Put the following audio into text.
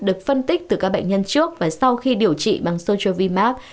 được phân tích từ các bệnh nhân trước và sau khi điều trị bằng sotrovimab